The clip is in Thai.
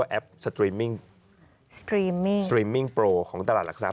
สวัสดีค่ะ